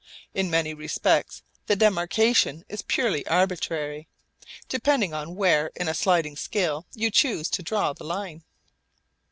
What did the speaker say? In many respects the demarcation is purely arbitrary, depending upon where in a sliding scale you choose to draw the line.